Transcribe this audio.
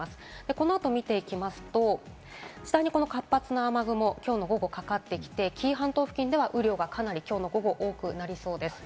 この後を見ていきますと、次第に活発な雨雲が今日午後にかかってきて、紀伊半島付近では雨量がきょうの午後、かなり多くなりそうです。